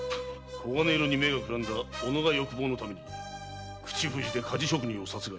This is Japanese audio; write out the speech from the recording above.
黄金色に目がくらんだ己が欲望のために口封じで鍛冶職人を殺害。